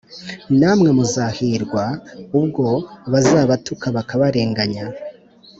“Namwe muzahirwa ubwo bazabatuka bakabarenganya